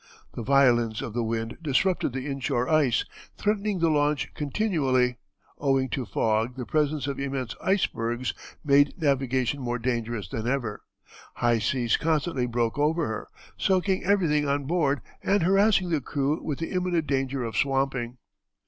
The violence of the wind disrupted the inshore ice, threatening the launch continually; owing to fog the presence of immense icebergs made navigation more dangerous than ever; high seas constantly broke over her, soaking everything on board and harassing the crew with the imminent danger of swamping.